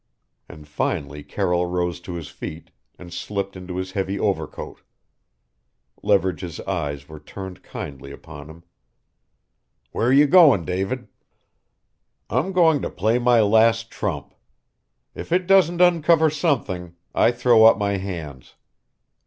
And finally Carroll rose to his feet and slipped into his heavy overcoat. Leverage's eyes were turned kindly upon him. "Where are you going, David!" "I'm going to play my last trump. If it doesn't uncover something I throw up my hands.